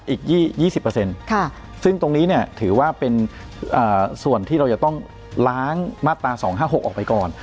อีก๒๐ซึ่งตรงนี้เนี่ยถือว่าเป็นส่วนที่เราจะต้องล้างมาตรา๒๕๖ออกไปก่อน